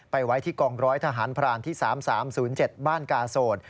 ไว้ที่กองร้อยทหารพรานที่๓๓๐๗บ้านกาโสด